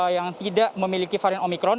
yang tidak memiliki varian omikron